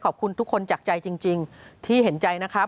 ขอบคุณทุกคนจากใจจริงที่เห็นใจนะครับ